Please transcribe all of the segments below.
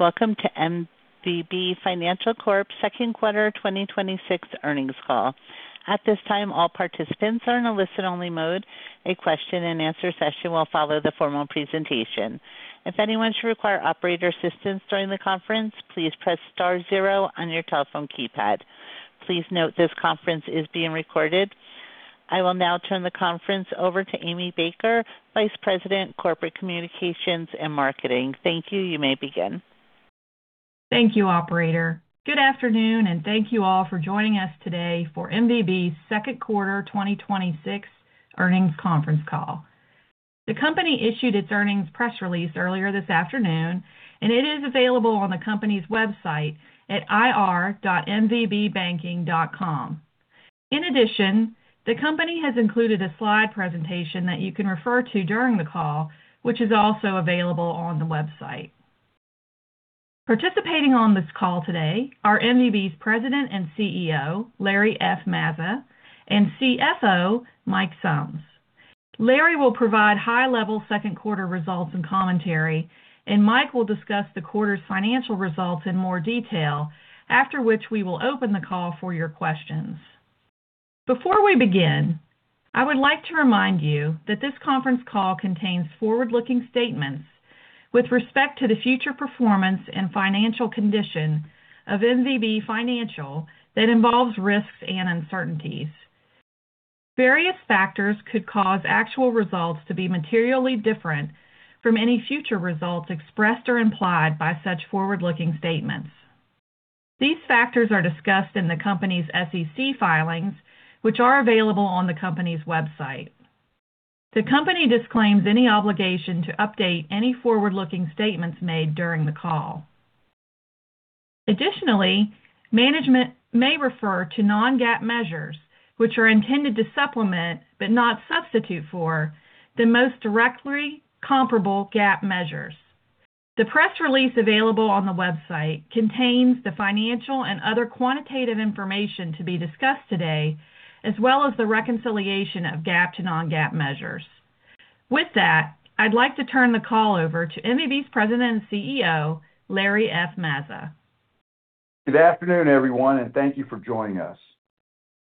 Welcome to MVB Financial Corp Second Quarter 2026 Earnings Call. At this time, all participants are in a listen-only mode. A question and answer session will follow the formal presentation. If anyone should require operator assistance during the conference, please press star zero on your telephone keypad. Please note this conference is being recorded. I will now turn the conference over to Amy Baker, Vice President, Corporate Communications and Marketing. Thank you. You may begin. Thank you, operator. Good afternoon, and thank you all for joining us today for MVB's Second Quarter 2026 Earnings Conference Call. The company issued its earnings press release earlier this afternoon, and it is available on the company's website at ir.mvbbanking.com. In addition, the company has included a slide presentation that you can refer to during the call, which is also available on the website. Participating on this call today are MVB's President and CEO, Larry F. Mazza, and CFO, Mike Sumbs. Larry will provide high-level second quarter results and commentary. Mike will discuss the quarter's financial results in more detail, after which we will open the call for your questions. Before we begin, I would like to remind you that this conference call contains forward-looking statements with respect to the future performance and financial condition of MVB Financial that involves risks and uncertainties. Various factors could cause actual results to be materially different from any future results expressed or implied by such forward-looking statements. These factors are discussed in the company's SEC filings, which are available on the company's website. The company disclaims any obligation to update any forward-looking statements made during the call. Additionally, management may refer to non-GAAP measures, which are intended to supplement, but not substitute for, the most directly comparable GAAP measures. The press release available on the website contains the financial and other quantitative information to be discussed today, as well as the reconciliation of GAAP to non-GAAP measures. With that, I'd like to turn the call over to MVB's President and CEO, Larry F. Mazza. Good afternoon, everyone. Thank you for joining us.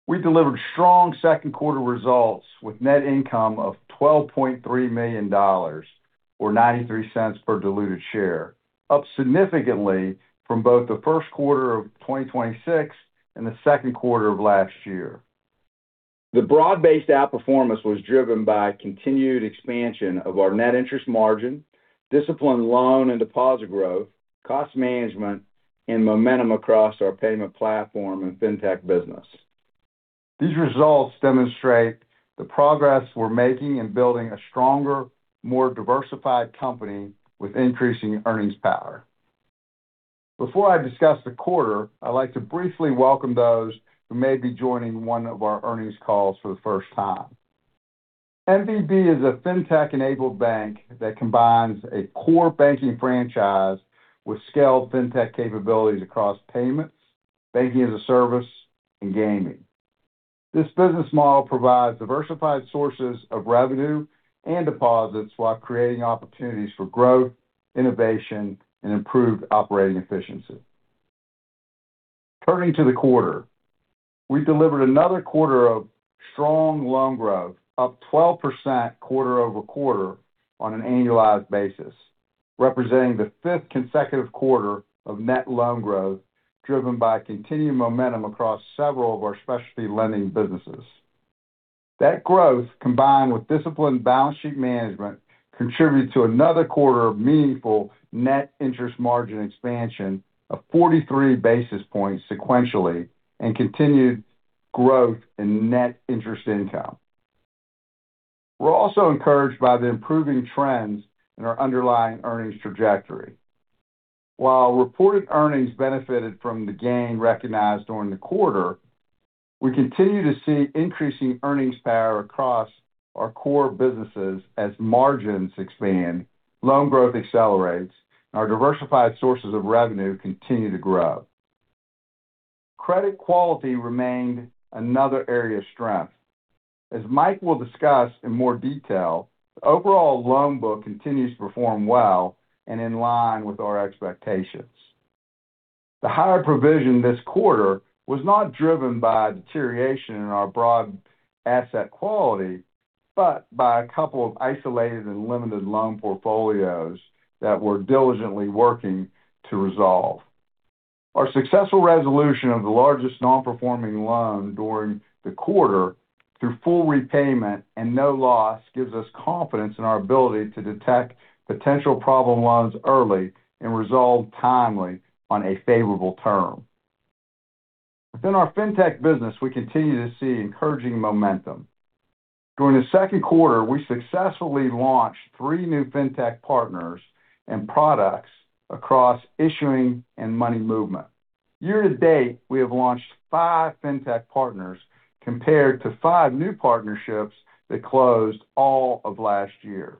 We delivered strong second quarter results with net income of $12.3 million, or $0.93 per diluted share, up significantly from both the first quarter of 2026 and the second quarter of last year. The broad-based outperformance was driven by continued expansion of our net interest margin, disciplined loan and deposit growth, cost management, and momentum across our payment platform and fintech business. These results demonstrate the progress we're making in building a stronger, more diversified company with increasing earnings power. Before I discuss the quarter, I'd like to briefly welcome those who may be joining one of our earnings calls for the first time. MVB is a fintech-enabled bank that combines a core banking franchise with scaled fintech capabilities across payments, Banking as a Service, and gaming. This business model provides diversified sources of revenue and deposits while creating opportunities for growth, innovation, and improved operating efficiency. Turning to the quarter, we delivered another quarter of strong loan growth, up 12% quarter-over-quarter on an annualized basis, representing the fifth consecutive quarter of net loan growth driven by continued momentum across several of our specialty lending businesses. That growth, combined with disciplined balance sheet management, contributed to another quarter of meaningful net interest margin expansion of 43 basis points sequentially and continued growth in net interest income. We're also encouraged by the improving trends in our underlying earnings trajectory. While reported earnings benefited from the gain recognized during the quarter, we continue to see increasing earnings power across our core businesses as margins expand, loan growth accelerates, and our diversified sources of revenue continue to grow. Credit quality remained another area of strength. As Mike will discuss in more detail, the overall loan book continues to perform well and in line with our expectations. The higher provision this quarter was not driven by a deterioration in our broad asset quality, but by a couple of isolated and limited loan portfolios that we're diligently working to resolve. Our successful resolution of the largest non-performing loan during the quarter through full repayment and no loss gives us confidence in our ability to detect potential problem loans early and resolve timely on a favorable term. Within our fintech business, we continue to see encouraging momentum. During the second quarter, we successfully launched three new fintech partners and products across issuing and money movement. Year to date, we have launched five fintech partners compared to five new partnerships that closed all of last year.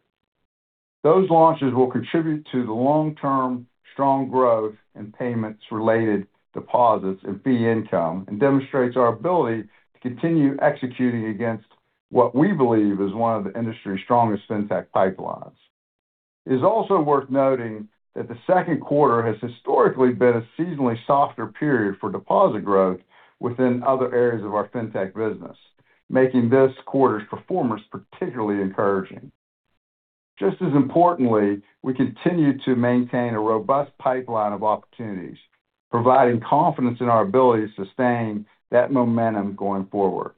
Those launches will contribute to the long term strong growth payments related deposits and fee income. Demonstrates our ability to continue executing against what we believe is one of the industry's strongest fintech pipelines. It is also worth noting that the second quarter has historically been a seasonally softer period for deposit growth within other areas of our fintech business, making this quarter's performance particularly encouraging. Just as importantly, we continue to maintain a robust pipeline of opportunities, providing confidence in our ability to sustain that momentum going forward.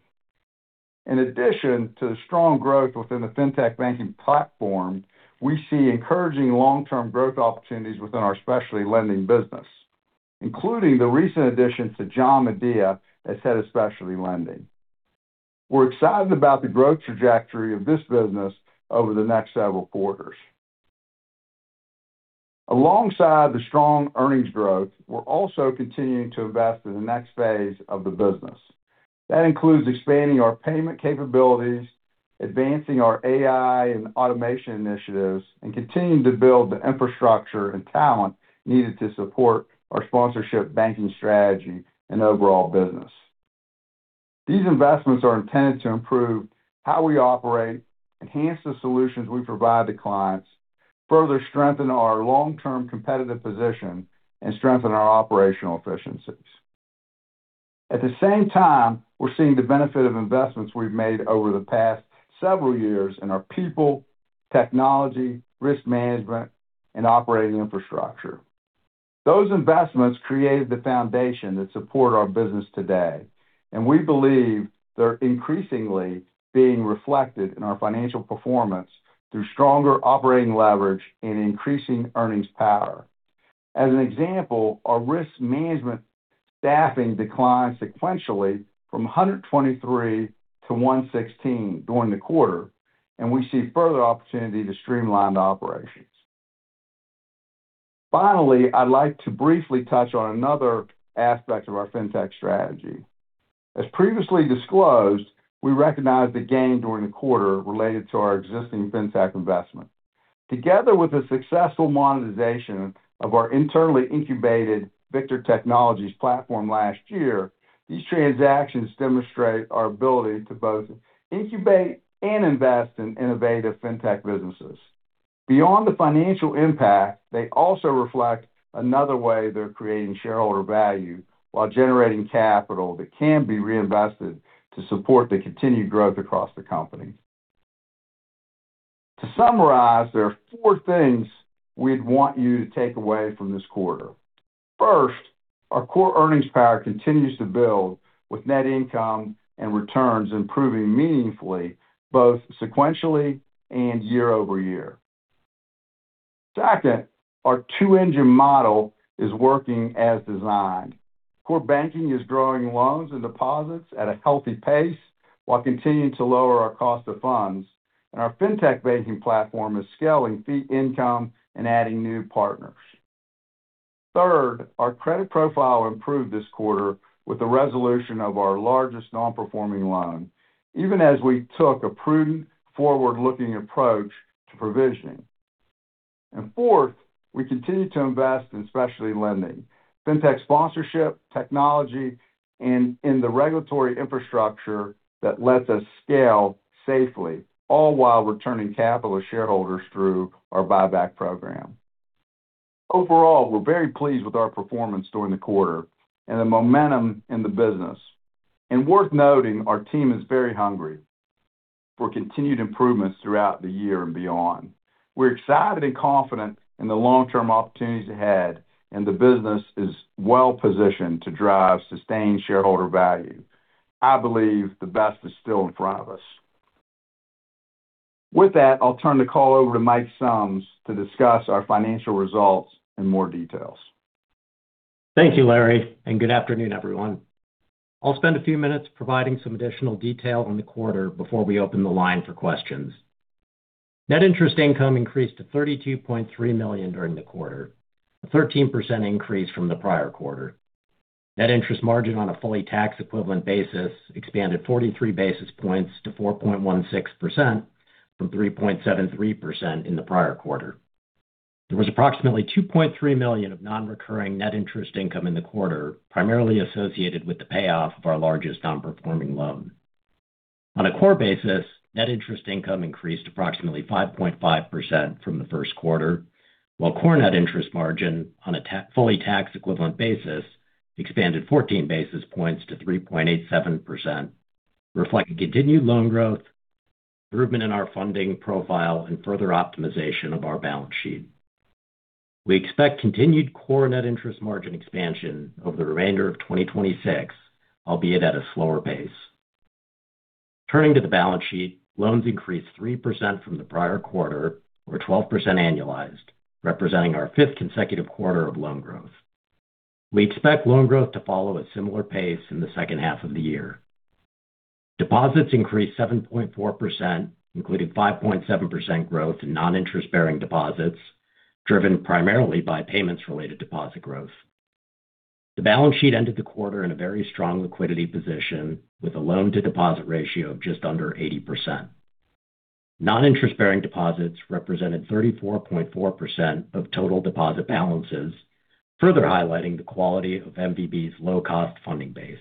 In addition to the strong growth within the fintech banking platform, we see encouraging long-term growth opportunities within our specialty lending business, including the recent addition to John Madia as Head of Specialty Lending. We're excited about the growth trajectory of this business over the next several quarters. Alongside the strong earnings growth, we're also continuing to invest in the next phase of the business. That includes expanding our payment capabilities, advancing our AI and automation initiatives, and continuing to build the infrastructure and talent needed to support our sponsorship banking strategy and overall business. These investments are intended to improve how we operate, enhance the solutions we provide to clients, further strengthen our long-term competitive position, and strengthen our operational efficiencies. At the same time, we're seeing the benefit of investments we've made over the past several years in our people, technology, risk management, and operating infrastructure. Those investments created the foundation that support our business today. We believe they're increasingly being reflected in our financial performance through stronger operating leverage and increasing earnings power. As an example, our risk management staffing declined sequentially from 123-116 during the quarter, and we see further opportunity to streamline the operations. Finally, I'd like to briefly touch on another aspect of our fintech strategy. As previously disclosed, we recognized a gain during the quarter related to our existing fintech investment. Together with the successful monetization of our internally incubated Victor Technologies platform last year, these transactions demonstrate our ability to both incubate and invest in innovative fintech businesses. Beyond the financial impact, they also reflect another way they're creating shareholder value while generating capital that can be reinvested to support the continued growth across the company. To summarize, there are four things we'd want you to take away from this quarter. First, our core earnings power continues to build with net income and returns improving meaningfully both sequentially and year-over-year. Second, our two-engine model is working as designed. Core banking is growing loans and deposits at a healthy pace while continuing to lower our cost of funds. Our fintech banking platform is scaling fee income and adding new partners. Third, our credit profile improved this quarter with the resolution of our largest non-performing loan, even as we took a prudent forward-looking approach to provisioning. Fourth, we continue to invest in specialty lending, fintech sponsorship, technology, and in the regulatory infrastructure that lets us scale safely, all while returning capital to shareholders through our buyback program. Overall, we're very pleased with our performance during the quarter and the momentum in the business. Worth noting, our team is very hungry for continued improvements throughout the year and beyond. We're excited and confident in the long-term opportunities ahead, and the business is well-positioned to drive sustained shareholder value. I believe the best is still in front of us. With that, I'll turn the call over to Mike Sumbs to discuss our financial results in more details. Thank you, Larry, and good afternoon, everyone. I'll spend a few minutes providing some additional detail on the quarter before we open the line for questions. Net interest income increased to $32.3 million during the quarter, a 13% increase from the prior quarter. Net interest margin on a fully tax-equivalent basis expanded 43 basis points to 4.16% from 3.73% in the prior quarter. There was approximately $2.3 million of non-recurring net interest income in the quarter, primarily associated with the payoff of our largest non-performing loan. On a core basis, net interest income increased approximately 5.5% from the first quarter, while core net interest margin on a fully tax-equivalent basis expanded 14 basis points to 3.87%, reflecting continued loan growth, improvement in our funding profile, and further optimization of our balance sheet. We expect continued core net interest margin expansion over the remainder of 2026, albeit at a slower pace. Turning to the balance sheet, loans increased 3% from the prior quarter or 12% annualized, representing our fifth consecutive quarter of loan growth. We expect loan growth to follow a similar pace in the second half of the year. Deposits increased 7.4%, including 5.7% growth in non-interest-bearing deposits, driven primarily by payments-related deposit growth. The balance sheet ended the quarter in a very strong liquidity position with a loan-to-deposit ratio of just under 80%. Non-interest-bearing deposits represented 34.4% of total deposit balances, further highlighting the quality of MVB's low-cost funding base.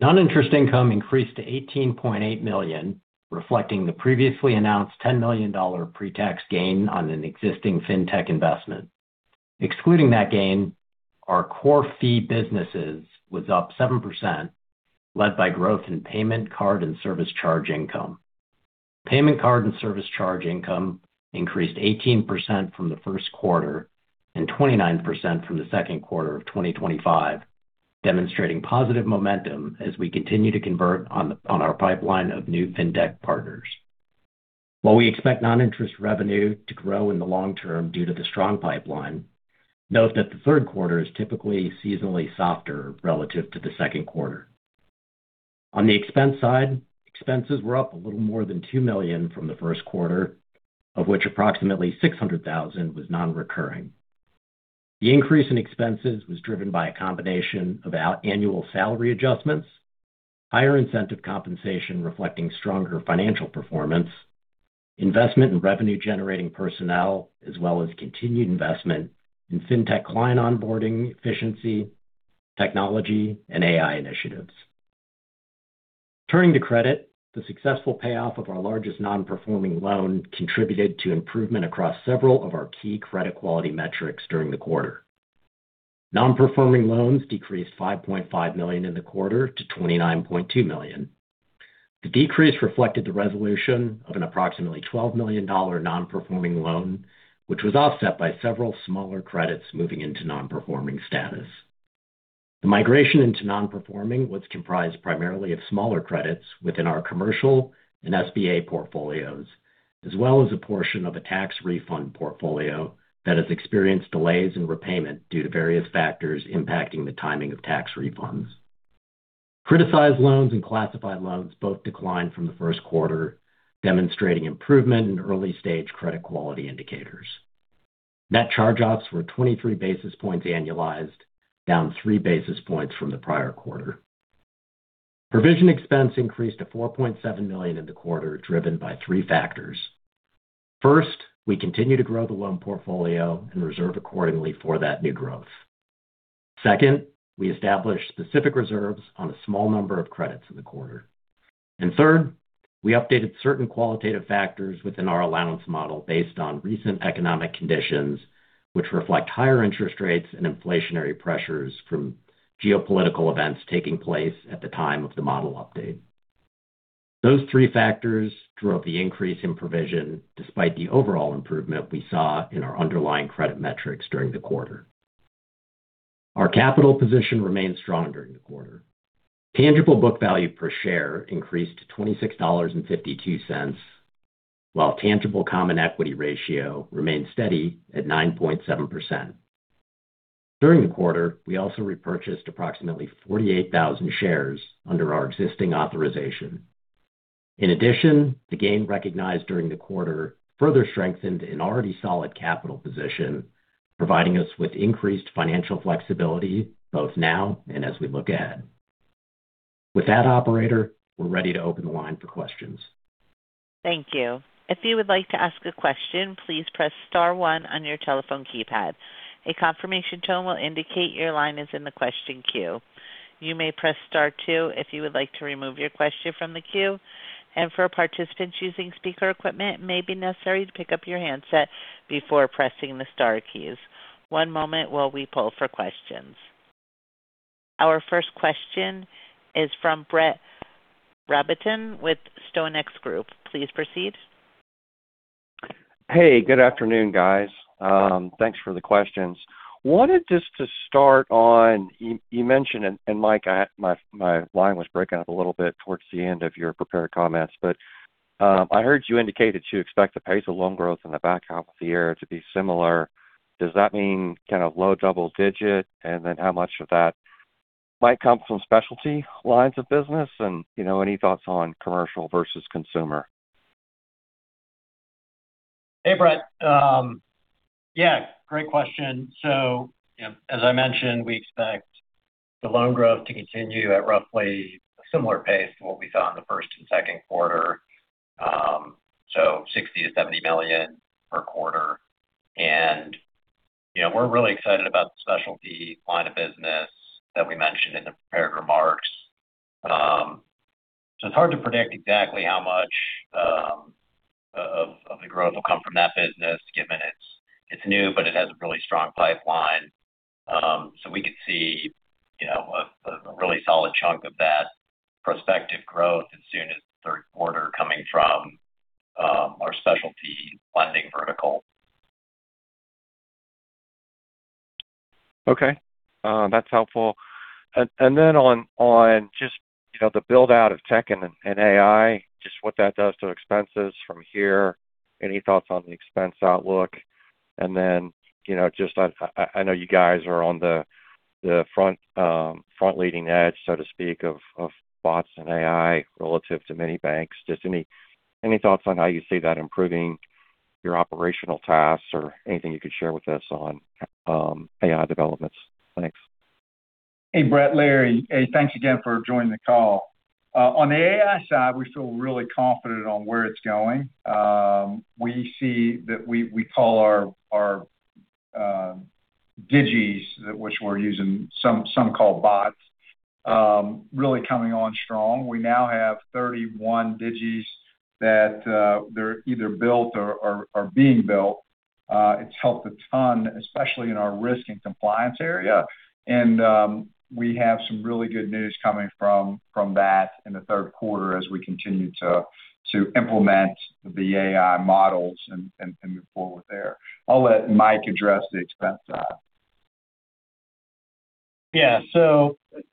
Non-interest income increased to $18.8 million, reflecting the previously announced $10 million pre-tax gain on an existing fintech investment. Excluding that gain, our core fee business was up 7%, led by growth in payment card and service charge income. Payment card and service charge income increased 18% from the first quarter and 29% from the second quarter of 2025, demonstrating positive momentum as we continue to convert on our pipeline of new fintech partners. While we expect non-interest revenue to grow in the long term due to the strong pipeline, note that the third quarter is typically seasonally softer relative to the second quarter. On the expense side, expenses were up a little more than $2 million from the first quarter, of which approximately $600,000 was non-recurring. The increase in expenses was driven by a combination of annual salary adjustments, higher incentive compensation reflecting stronger financial performance, investment in revenue-generating personnel, as well as continued investment in fintech client onboarding efficiency, technology, and AI initiatives. Turning to credit, the successful payoff of our largest non-performing loan contributed to improvement across several of our key credit quality metrics during the quarter. Non-performing loans decreased $5.5 million in the quarter to $29.2 million. The decrease reflected the resolution of an approximately $12 million non-performing loan, which was offset by several smaller credits moving into non-performing status. The migration into non-performing was comprised primarily of smaller credits within our commercial and SBA portfolios, as well as a portion of a tax refund portfolio that has experienced delays in repayment due to various factors impacting the timing of tax refunds. Criticized loans and classified loans both declined from the first quarter, demonstrating improvement in early-stage credit quality indicators. Net charge-offs were 23 basis points annualized, down 3 basis points from the prior quarter. Provision expense increased to $4.7 million in the quarter, driven by three factors. First, we continue to grow the loan portfolio and reserve accordingly for that new growth. Second, we established specific reserves on a small number of credits in the quarter. Third, we updated certain qualitative factors within our allowance model based on recent economic conditions, which reflect higher interest rates and inflationary pressures from geopolitical events taking place at the time of the model update. Those three factors drove the increase in provision despite the overall improvement we saw in our underlying credit metrics during the quarter. Our capital position remained strong during the quarter. Tangible book value per share increased to $26.52, while tangible common equity ratio remained steady at 9.7%. During the quarter, we also repurchased approximately 48,000 shares under our existing authorization. In addition, the gain recognized during the quarter further strengthened an already solid capital position, providing us with increased financial flexibility both now and as we look ahead. With that, Operator, we're ready to open the line for questions. Thank you. If you would like to ask a question, please press star one on your telephone keypad. A confirmation tone will indicate your line is in the question queue. You may press star two if you would like to remove your question from the queue. For participants using speaker equipment, it may be necessary to pick up your handset before pressing the star keys. One moment while we poll for questions. Our first question is from Brett Rabatin with StoneX Group. Please proceed. Hey, good afternoon, guys. Thanks for the questions. Wanted just to start on, you mentioned, Mike, my line was breaking up a little bit towards the end of your prepared comments, I heard you indicated you expect the pace of loan growth in the back half of the year to be similar. Does that mean kind of low double digit? How much of that might come from specialty lines of business? Any thoughts on commercial versus consumer? Hey, Brett. Yeah, great question. As I mentioned, we expect the loan growth to continue at roughly a similar pace to what we saw in the first and second quarter, $60 million-$70 million per quarter. We're really excited about the specialty line of business that we mentioned in the prepared remarks. It's hard to predict exactly how much of the growth will come from that business, given it's new, it has a really strong pipeline. We could see a really solid chunk of that prospective growth as soon as the third quarter coming from our specialty lending vertical. Okay. That's helpful. On just the build-out of tech and AI, just what that does to expenses from here, any thoughts on the expense outlook? I know you guys are on the front leading edge, so to speak, of bots and AI relative to many banks. Just any thoughts on how you see that improving your operational tasks or anything you could share with us on AI developments? Thanks. Hey, Brett, Larry. Hey, thanks again for joining the call. On the AI side, we feel really confident on where it's going. We see that we call our digies, which we're using, some call bots, really coming on strong. We now have 31 digies that they're either built or are being built. It's helped a ton, especially in our risk and compliance area. We have some really good news coming from that in the third quarter as we continue to implement the AI models and move forward there. I'll let Mike address the expense side. Yeah.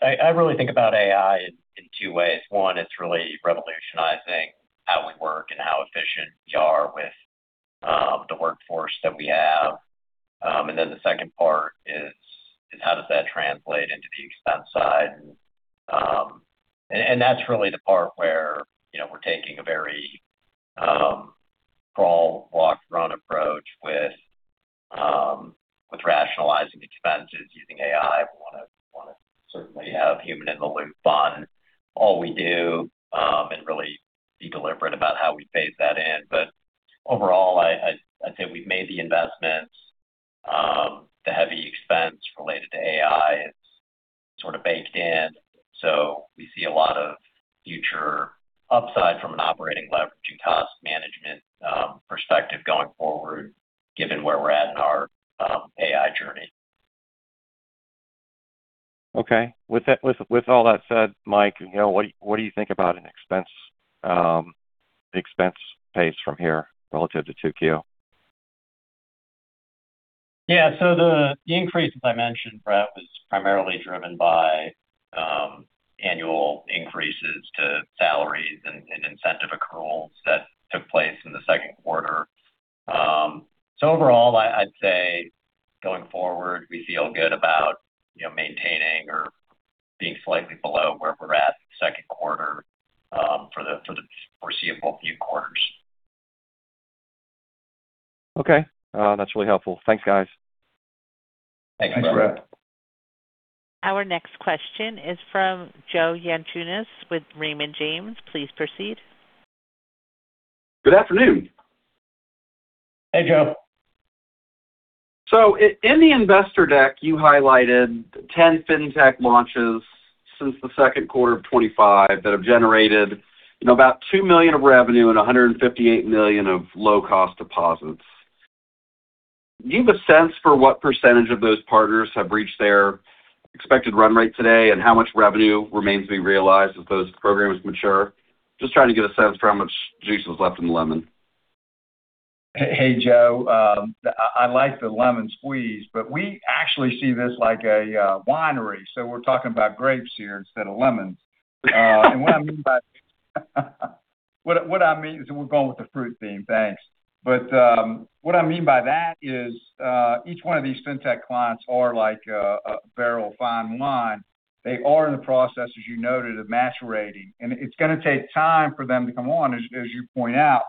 I really think about AI in two ways. One, it's really revolutionizing how we work and how efficient we are with the workforce that we have. The second part is how does that translate into the expense side? That's really the part where we're taking a very crawl, walk, run approach with rationalizing expenses using AI. We want to certainly have human in the loop on all we do and really be deliberate about how we phase that in. Overall, I'd say we've made the investments. The heavy expense related to AI, it's sort of baked in. We see a lot of future upside from an operating leverage and cost management perspective going forward, given where we're at in our AI journey. Okay. With all that said, Mike, what do you think about an expense pace from here relative to 2Q? Yeah. The increase, as I mentioned, Brett, was primarily driven by annual increases to salaries and incentive accruals that took place in the second quarter. Overall, I'd say going forward, we feel good about maintaining or being slightly below where we're at second quarter for the foreseeable few quarters. Okay. That's really helpful. Thanks, guys. Thanks, Brett. Thanks, Brett. Our next question is from Joe Yanchunis with Raymond James. Please proceed. Good afternoon. Hey, Joe. In the investor deck, you highlighted 10 fintech launches since the second quarter of 2025 that have generated about $2 million of revenue and $158 million of low-cost deposits. Do you have a sense for what percentage of those partners have reached their expected run rate today, and how much revenue remains to be realized as those programs mature? Just trying to get a sense for how much juice is left in the lemon. Hey, Joe. I like the lemon squeeze, we actually see this like a winery. We're talking about grapes here instead of lemons. What I mean is we're going with the fruit theme. Thanks. What I mean by that is each one of these fintech clients are like a barrel of fine wine. They are in the process, as you noted, of maturing, and it's going to take time for them to come on, as you point out.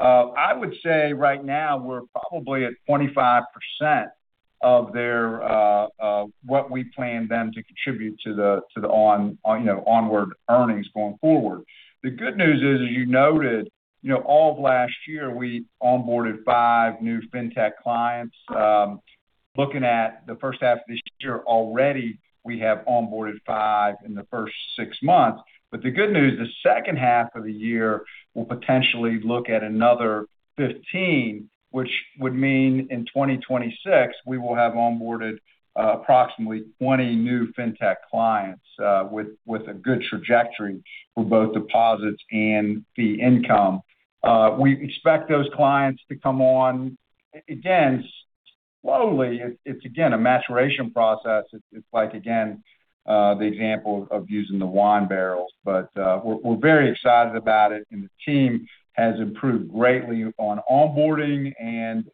I would say right now we're probably at 25% of what we plan them to contribute to the onward earnings going forward. The good news is, as you noted, all of last year, we onboarded five new fintech clients. Looking at the first half of this year already, we have onboarded five in the first six months. The good news, the second half of the year will potentially look at another 15, which would mean in 2026, we will have onboarded approximately 20 new fintech clients with a good trajectory for both deposits and fee income. We expect those clients to come on, again, slowly. It's, again, a maturation process. It's like, again, the example of using the wine barrels. We're very excited about it, and the team has improved greatly on onboarding and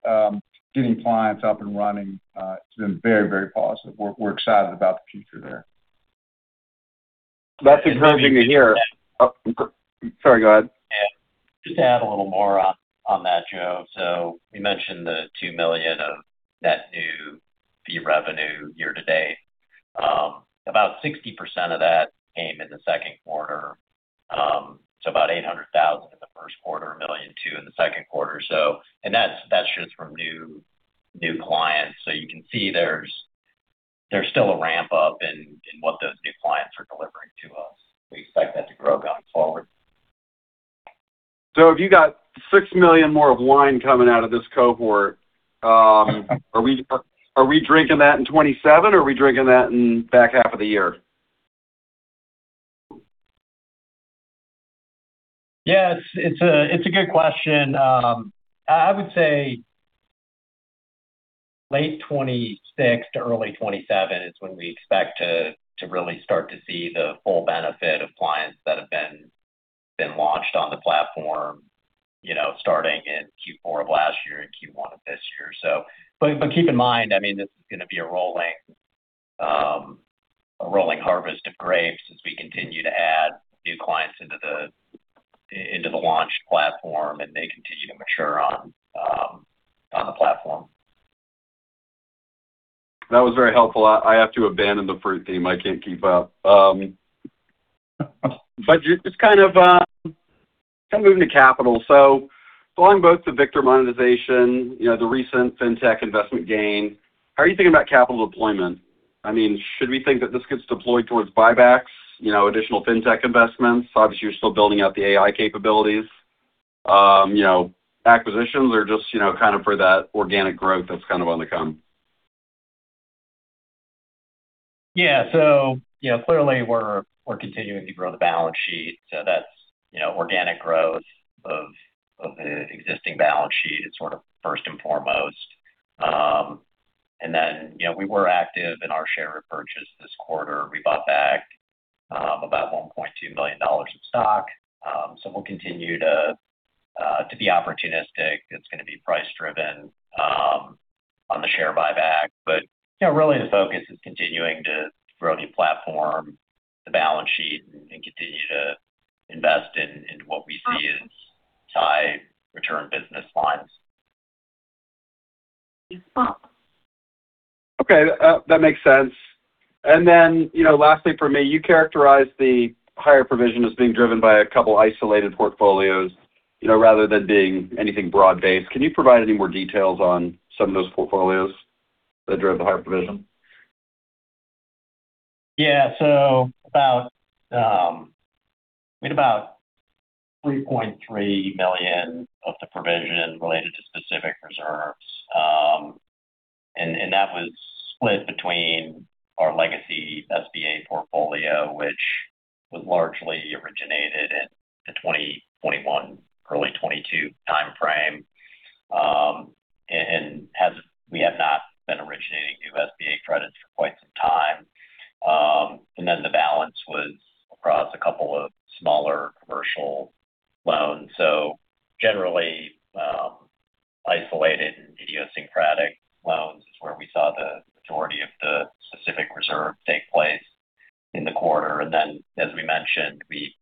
getting clients up and running. It's been very positive. We're excited about the future there. That's encouraging to hear. Oh, sorry, go ahead. Just to add a little more on that, Joe. We mentioned the $2 million of net new fee revenue year to date. About 60% of that came in the second quarter. About $800,000 in the first quarter, $1.2 million in the second quarter. That's just from new clients. You can see there's still a ramp up in what those new clients are delivering to us. We expect that to grow going forward. If you got 6 million more of wine coming out of this cohort, are we drinking that in 2027 or are we drinking that in back half of the year? Yes. It's a good question. I would say late 2026 to early 2027 is when we expect to really start to see the full benefit of clients that have been launched on the platform starting in Q4 of last year and Q1 of this year. Keep in mind, this is going to be a rolling harvest of grapes as we continue to add new clients into the launch platform, and they continue to mature on the platform. That was very helpful. I have to abandon the fruit theme. I can't keep up. Just kind of moving to capital. Following both the Victor monetization, the recent fintech investment gain, how are you thinking about capital deployment? Should we think that this gets deployed towards buybacks, additional fintech investments? Obviously, you're still building out the AI capabilities. Acquisitions or just for that organic growth that's on the come? Yeah. Clearly we're continuing to grow the balance sheet, so that's organic growth of the existing balance sheet sort of first and foremost. We were active in our share repurchase this quarter. We bought back about $1.2 million of stock. We'll continue to be opportunistic. It's going to be price-driven on the share buyback. Really the focus is continuing to grow the platform, the balance sheet, and continue to invest in what we see as high return business lines. Okay. That makes sense. Lastly from me, you characterize the higher provision as being driven by a couple isolated portfolios rather than being anything broad-based. Can you provide any more details on some of those portfolios that drove the higher provision? We had about $3.3 million of the provision related to specific reserves. That was split between our legacy SBA portfolio, which was largely originated in the 2021, early 2022 timeframe. We have not been originating new SBA credits for quite some time. The balance was across a couple of smaller commercial loans. Generally, isolated and idiosyncratic loans is where we saw the majority of the specific reserve take place in the quarter. As we mentioned, we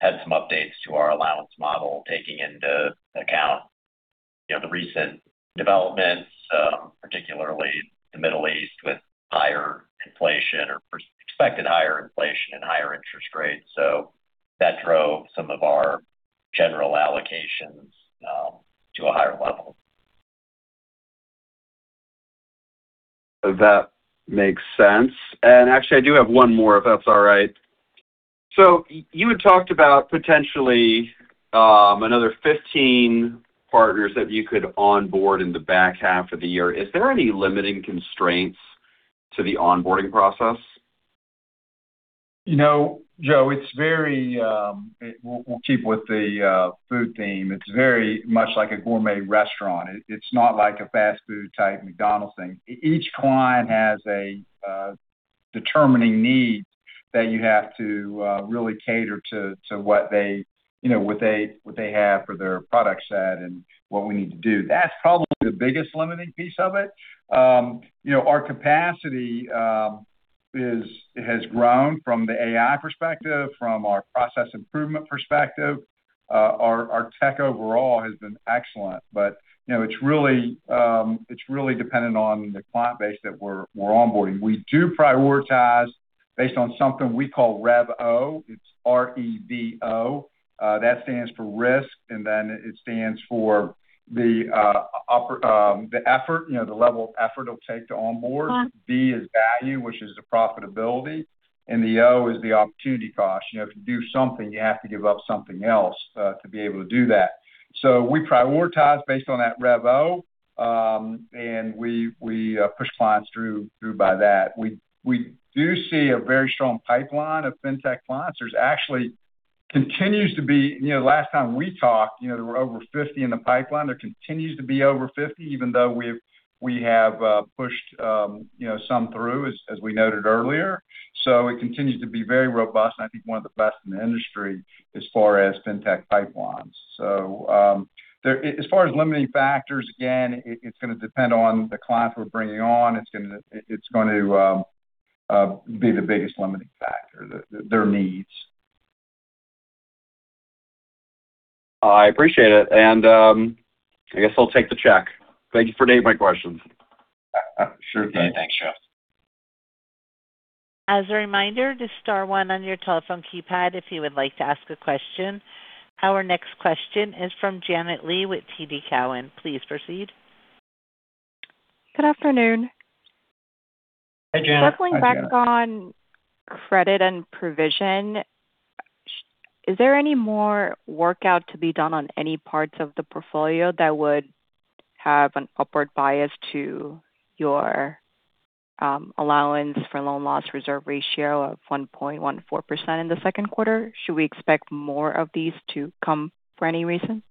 had some updates to our allowance model taking into account the recent developments, particularly the Middle East with higher inflation or expected higher inflation and higher interest rates. That drove some of our general allocations to a higher level. That makes sense. Actually, I do have one more if that's all right. You had talked about potentially another 15 partners that you could onboard in the back half of the year. Is there any limiting constraints to the onboarding process? Joe, we'll keep with the food theme. It's very much like a gourmet restaurant. It's not like a fast food type McDonald's thing. Each client has a determining need that you have to really cater to what they have for their product set and what we need to do. That's probably the biggest limiting piece of it. Our capacity has grown from the AI perspective, from our process improvement perspective. Our tech overall has been excellent. It's really dependent on the client base that we're onboarding. We do prioritize based on something we call REVO. It's R-E-V-O. That stands for risk, and then it stands for the level of effort it'll take to onboard. V is value, which is the profitability, and the O is the opportunity cost. If you do something, you have to give up something else to be able to do that. We prioritize based on that REVO. We push clients through by that. We do see a very strong pipeline of fintech clients. There actually continues to be. Last time we talked, there were over 50 in the pipeline. There continues to be over 50, even though we have pushed some through, as we noted earlier. It continues to be very robust, and I think one of the best in the industry as far as fintech pipelines. As far as limiting factors, again, it's going to depend on the client we're bringing on. It's going to be the biggest limiting factor, their needs. I appreciate it. I guess I'll take the check. Thank you for taking my questions. Sure thing. Thanks, Joe. As a reminder, just star one on your telephone keypad if you would like to ask a question. Our next question is from Janet Lee with TD Cowen. Please proceed. Good afternoon. Hi, Janet. Hi, Janet. Circling back on credit and provision, is there any more workout to be done on any parts of the portfolio that would have an upward bias to your allowance for loan loss reserve ratio of 1.14% in the second quarter? Should we expect more of these to come for any reason?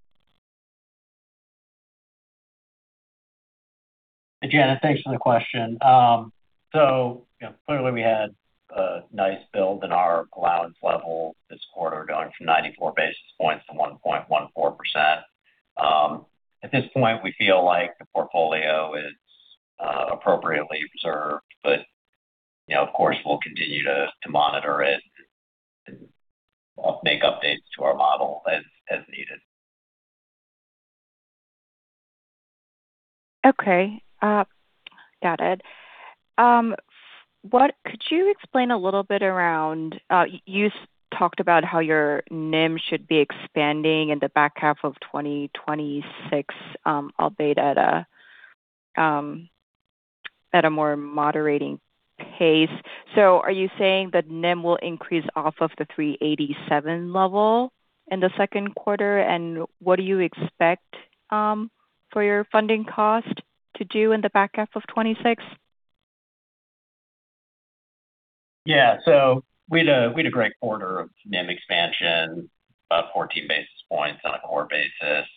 Janet, thanks for the question. Clearly we had a nice build in our allowance level this quarter, going from 94 basis points to 1.14%. At this point, we feel like the portfolio is appropriately reserved, but of course, we'll continue to monitor it I'll make updates to our model as needed. Okay. Got it. Could you explain a little bit around. You talked about how your NIM should be expanding in the back half of 2026, albeit at a more moderating pace. Are you saying that NIM will increase off of the 387 level in the second quarter? What do you expect for your funding cost to do in the back half of 2026? Yeah. We had a great quarter of NIM expansion, about 14 basis points on a core basis.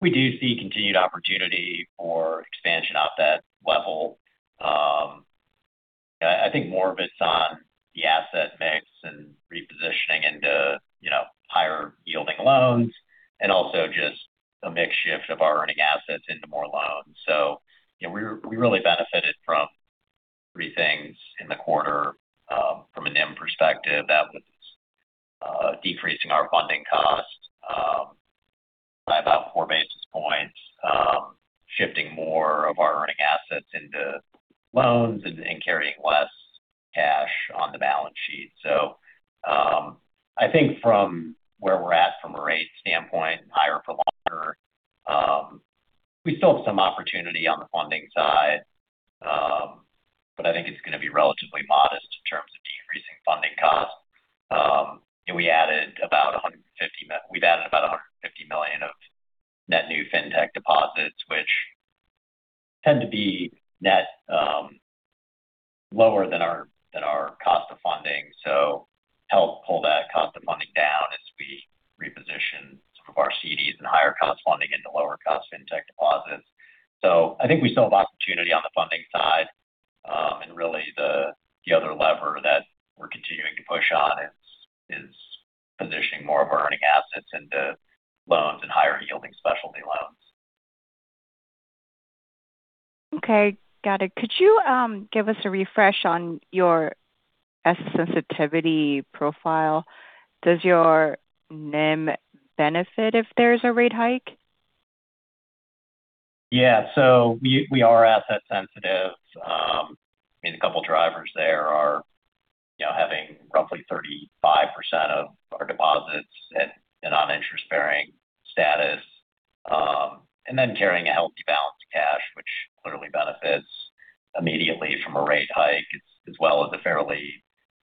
We do see continued opportunity for expansion off that level. I think more of it's on the asset mix and repositioning into higher-yielding loans and also just a mix shift of our earning assets into more loans. We really benefited from three things in the quarter from a NIM perspective. That was decreasing our funding cost by about four basis points, shifting more of our earning assets into loans, and carrying less cash on the balance sheet. I think from where we're at from a rate standpoint, higher for longer, we still have some opportunity on the funding side. I think it's going to be relatively modest in terms of decreasing funding costs. We've added about $150 million of net new fintech deposits, which tend to be net lower than our cost of funding. Help pull that cost of funding down as we reposition some of our CDs and higher-cost funding into lower-cost fintech deposits. I think we still have opportunity on the funding side. Really the other lever that we're continuing to push on is positioning more of our earning assets into loans and higher-yielding specialty loans. Okay. Got it. Could you give us a refresh on your asset sensitivity profile? Does your NIM benefit if there's a rate hike? Yeah. We are asset sensitive. I mean, a couple of drivers there are having roughly 35% of our deposits in a non-interest-bearing status. Carrying a healthy balance of cash, which clearly benefits immediately from a rate hike, as well as a fairly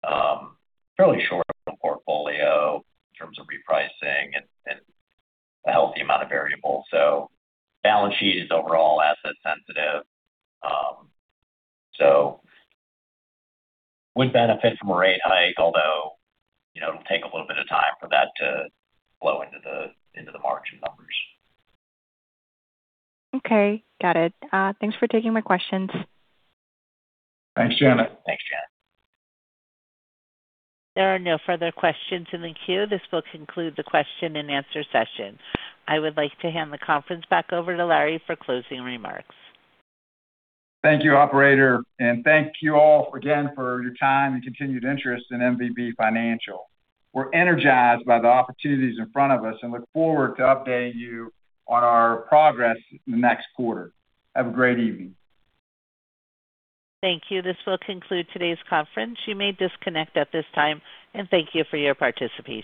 short-term portfolio in terms of repricing and a healthy amount of variables. The balance sheet is overall asset sensitive. Would benefit from a rate hike, although it'll take a little bit of time for that to flow into the margin numbers. Okay. Got it. Thanks for taking my questions. Thanks, Janet. Thanks, Janet. There are no further questions in the queue. This will conclude the question and answer session. I would like to hand the conference back over to Larry for closing remarks. Thank you, operator. Thank you all again for your time and continued interest in MVB Financial. We're energized by the opportunities in front of us and look forward to updating you on our progress in the next quarter. Have a great evening. Thank you. This will conclude today's conference. You may disconnect at this time, and thank you for your participation.